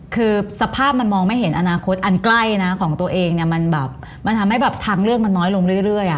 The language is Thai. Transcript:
คือสภาพมันมองไม่เห็นอนาคตอันใกล้นะของตัวเองเนี่ยมันแบบมันทำให้แบบทางเลือกมันน้อยลงเรื่อย